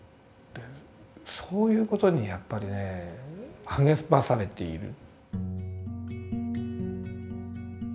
そういうことにやっぱりね励まされている。